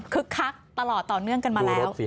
คึกคักตลอดต่อเนื่องมาแล้ว